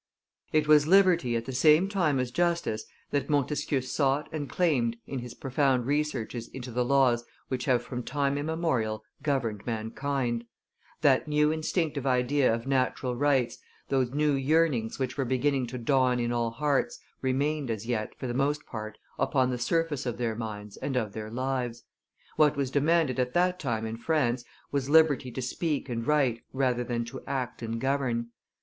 It was liberty at the same time as justice that Montesquieu sought and claimed in his profound researches into the laws which have from time immemorial governed mankind; that new instinctive idea of natural rights, those new yearnings which were beginning to dawn in all hearts, remained as yet, for the most part, upon the surface of their minds and of their lives; what was demanded at that time in France was liberty to speak and write rather than to act and govern.